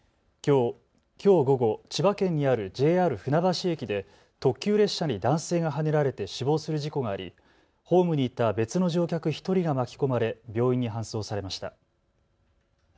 きょう午後、千葉県にあるＪＲ船橋駅で特急列車に男性がはねられて死亡する事故がありホームにいた別の乗客１人が巻き込まれ病院に搬送されました。